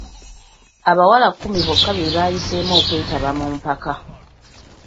Abawala kkumi bokka be baayiseemu okwetaba mu mpaka.